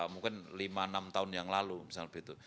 mungkin lima enam tahun yang lalu misalnya begitu